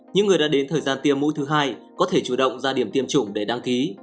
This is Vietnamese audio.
những người đã đến thời gian tiêm mũi thứ hai có thể chủ động ra điểm tiêm chủng để đăng ký